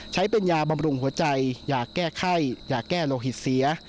ใช้เป็นยาบำรุงหัวใจอย่าแก้ไข้อย่าแก้โลหิตเสีย